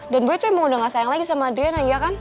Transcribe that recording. dan boy tuh emang udah gak sayang lagi sama adriana